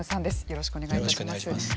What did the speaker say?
よろしくお願いします。